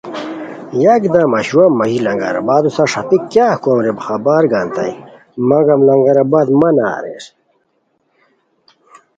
یکدم اشروان ماژی لنگرآبادو سار ݰاپیک کیاغ کوم رے خبر گانیتائے مگم لنگرآبادمنع اریر